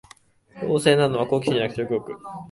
旺盛なのは好奇心じゃなく食欲のほう